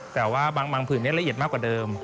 แต่ว่าบางผื่นนี้ละเอียดมากกว่าเดิม